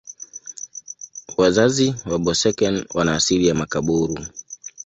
Wazazi wa Boeseken wana asili ya Makaburu.